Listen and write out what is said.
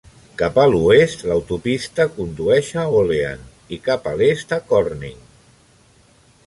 Cap a l'oest, l'autopista condueix a Olean i a cap l'est, a Corning.